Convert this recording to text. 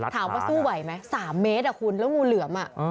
ถามว่าสู้ไหวไหมสามเมตรอะคุณแล้วงูเหลือมอะ